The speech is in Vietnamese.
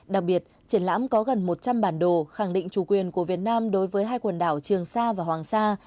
đặc biệt triển lãm có gần một trăm linh bản đồ khẳng định chủ quyền của việt nam đối với hai quần đảo trường sa và hoàng sa